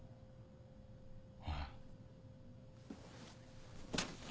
ああ。